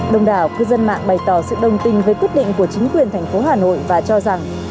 đồng đảo cư dân mạng bày tỏ sự đồng tình với quyết định của chính quyền thành phố hà nội và cho rằng